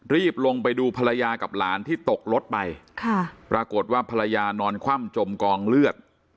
รีบลงไปดูภรรยากับหลานที่ตกรถไปค่ะปรากฏว่าภรรยานอนคว่ำจมกองเลือด